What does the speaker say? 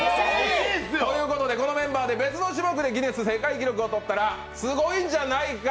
このメンバーで別の種目でギネス世界記録を取ったらすごいんじゃないか！